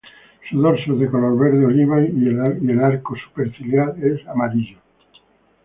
Su dorso es de color verde oliva, y el arco superciliar es amarillo.